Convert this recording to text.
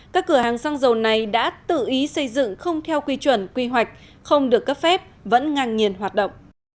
các cửa hàng xăng dầu này đã tự ý xây dựng không theo quy chuẩn quy hoạch không được cấp phép vẫn ngang nhiên hoạt động